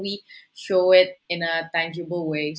dengan cara yang tanggung jawab